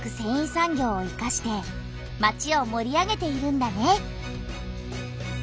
産業をいかしてまちをもり上げているんだね。